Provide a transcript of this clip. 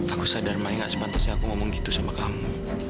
aku sadar main gak sepantasnya aku ngomong gitu sama kamu